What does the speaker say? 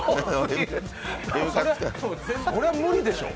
これは無理でしょ。